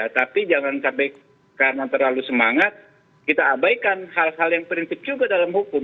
tapi jangan sampai karena terlalu semangat kita abaikan hal hal yang prinsip juga dalam hukum